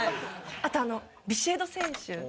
あとあのビシエド選手。